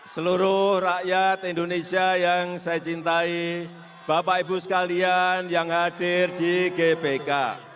seluruh rakyat indonesia yang saya cintai bapak ibu sekalian yang hadir di gbk